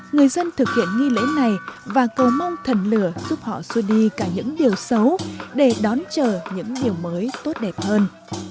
người dân thực hiện nghi lễ này và cầu mong thần lửa giúp họ xua đi cả những điều xấu để đón chờ những điều mới tốt đẹp hơn